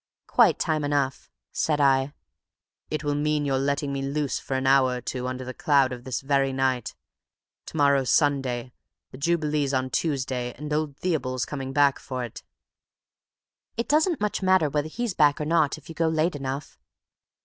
"Quite time enough," said I. "It will mean your letting me loose for an hour or two under cloud of this very night. To morrow's Sunday, the Jubilee's on Tuesday, and old Theobald's coming back for it." "It doesn't much matter whether he's back or not if you go late enough."